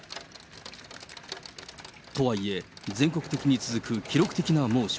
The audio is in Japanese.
とはいえ、全国的に続く記録的な猛暑。